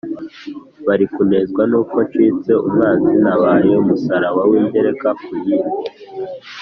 bari kunezwa N’uko ncitse umwanzi Nabaye umusaraba Wigereka ku yindi;